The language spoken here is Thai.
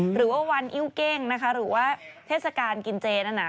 หรือว่าวันอิ้วเก้งนะคะหรือว่าเทศกาลกินเจนั่นน่ะ